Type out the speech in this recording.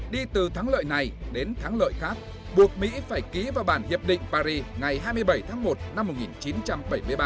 đi từ thắng lợi này đến thắng lợi khác buộc mỹ phải ký vào bản hiệp định paris ngày hai mươi bảy tháng một năm một nghìn chín trăm bảy mươi ba